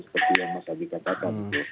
seperti yang mas adi katakan